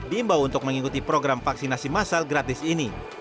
diimbau untuk mengikuti program vaksinasi masal gratis ini